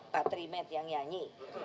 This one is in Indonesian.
patrimat yang nyanyi